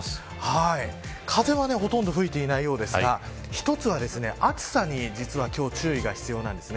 風は、ほとんど吹いていないようですが一つは暑さに実は、注意が必要なんです。